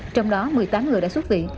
trong đó một mươi tám người đã xuất viện